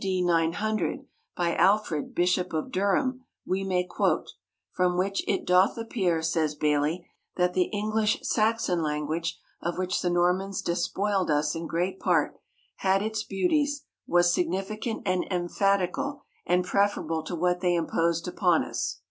D. 900, by Alfred, Bishop of Durham, we may quote, from which "it doth appear," says Bailey, "that the English Saxon Language, of which the Normans despoiled us in great Part, had its beauties, was significant and emphatical, and preferable to what they imposed upon us."